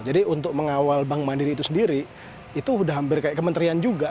jadi untuk mengawal bank mandiri itu sendiri itu udah hampir kayak kementerian juga